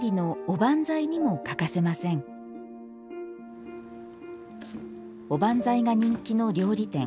おばんざいが人気の料理店。